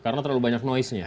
karena terlalu banyak noise nya